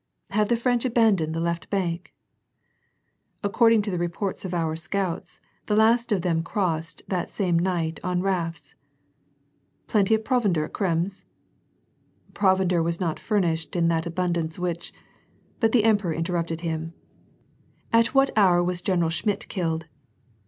"Have the French abandoned the left bank ?" "According to the reports of our scouts, the last of them crossed that same night on rafts." "Plenty of provender at Krems ?" "Provender was not furnished in that abundance which"—. But the emperor interrupted him: "At what hour was General Schmidt killed